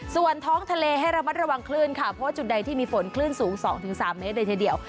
ส่วนท้องทะเลให้ระมัดระวังคลื่นค่ะเพราะว่าจุดใดที่มีฝนคลื่นสูง๒๓เมตรเลยทีเดียว